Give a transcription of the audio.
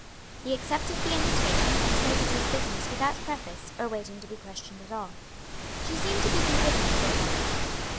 He accepted the invitation and stated his business without preface, or waiting to be questioned at all. She seemed to be considering for a moment.